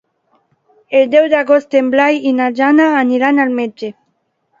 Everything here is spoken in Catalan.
El deu d'agost en Blai i na Jana aniran al metge.